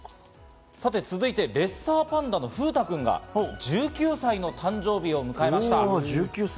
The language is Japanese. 続いて、レッサーパンダの風太君が１９歳の誕生日を迎えました。